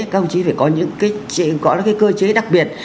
các ông chí phải có những cơ chế đặc biệt